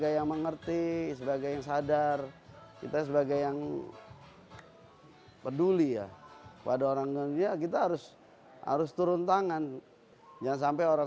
yang peduli ya pada orangnya kita harus harus turun tangan jangan sampai orang